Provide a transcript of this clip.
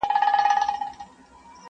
تا ته به ډلي په موسکا د سهیلیو راځي.!